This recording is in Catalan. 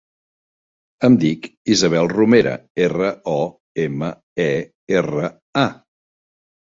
Em dic Isabel Romera: erra, o, ema, e, erra, a.